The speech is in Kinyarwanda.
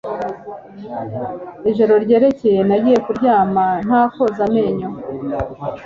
Ijoro ryakeye nagiye kuryama nta koza amenyo